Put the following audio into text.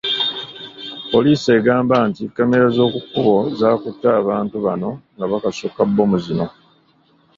Poliisi egamba nti kkamera z’okukkubo zaakutte abantu bano nga bakasuka bbomu zino.